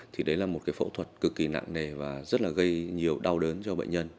thì đấy là một cái phẫu thuật cực kỳ nặng nề và rất là gây nhiều đau đớn cho bệnh nhân